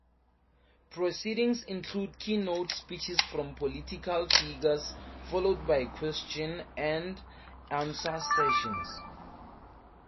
Proceedings include keynote speeches from political figures, followed by question and answer sessions.